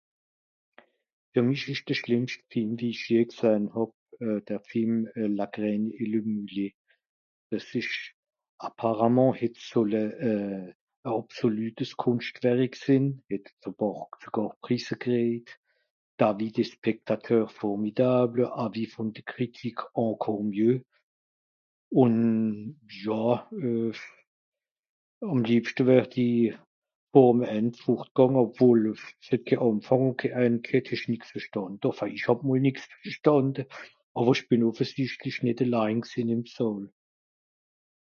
"fer mich isch de schlimmscht Film wie ich jeh gsahn hàb euh der Film ""La graine et le (mulet?)"". Dis isch, apparemment, het s solle e àbsolütes Kunschtwärik sin, het sogàr e Pààr Prisse kriet, d'avis des spectateurs: ""formidable"", avis von de Critiques ""encore mieux"", un ja, euh, àm liebschte wärt i vor'm End furtgànge, obwohl, es het ke Ànfàng un ke End ghett, hesch nix vestànde, enfin ich hàb emol nix vestànde àwer ich bin offesichtlich nitt elain gsinn im Sààl"